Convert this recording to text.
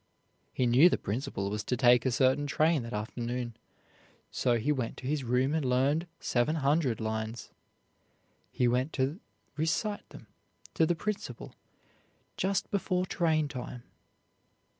He knew the principal was to take a certain train that afternoon, so he went to his room and learned seven hundred lines. He went to recite them to the principal just before train time.